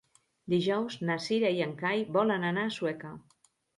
Dijous na Cira i en Cai volen anar a Sueca.